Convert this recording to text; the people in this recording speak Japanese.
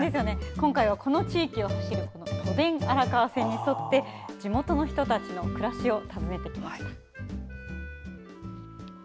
今回はこの地域を走る都電荒川線に沿って地元の人たちの暮らしを訪ねてきました。